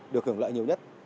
được hưởng lợi nhiều nhất